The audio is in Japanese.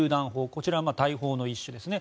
こちらは大砲の１種ですね。